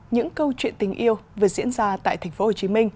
những câu chuyện tình yêu vừa diễn ra tại tp hcm